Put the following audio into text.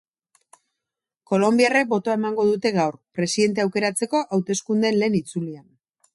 Kolonbiarrek botoa emango dute gaur, presidentea aukeratzeko hauteskundeen lehen itzulian.